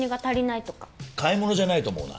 買い物じゃないと思うな。